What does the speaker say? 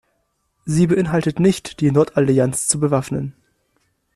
Sie beinhaltet nicht, die Nordallianz zu bewaffnen.